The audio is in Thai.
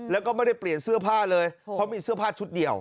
แล้วก็ไม่ได้เปลี่ยนเสื้อผ้าเลยเพราะมีเสื้อผ้าชุดเดียว